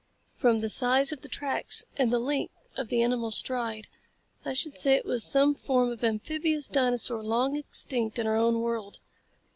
"From the size of the tracks and the length of the animal's stride, I should say it was some form of an amphibious dinosaur long extinct in our own world."